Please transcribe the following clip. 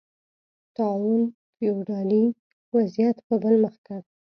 طاعون فیوډالي وضعیت په بل مخ کړ